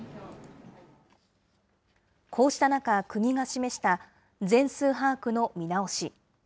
こうした中、国が示した全数把握の見直し。